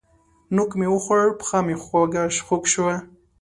نوک مې وخوړ؛ پښه مې خوږ شوه.